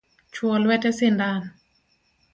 Chwo lwete sindan